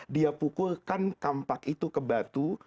dia pukulkan kampak itu ke batu